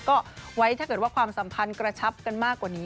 ก็ไว้ถ้าเกิดว่าความสัมพันธ์กระชับกันมากกว่านี้